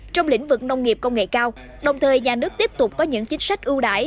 trong lĩnh vực nông nghiệp công nghệ cao đồng thời nhà nước tiếp tục có những chính sách ưu đại